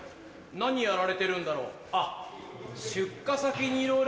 ・何やられてるんだろう・あっ。